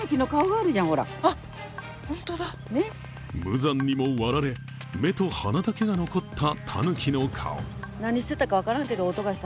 無残にも割られ目と鼻だけが残ったたぬきの顔。